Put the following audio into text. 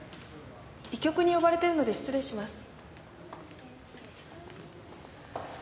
医局に呼ばれてるので失礼します。